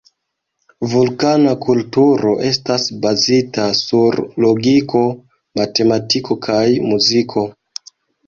Vulkana kulturo estas bazita sur logiko, matematiko kaj muziko.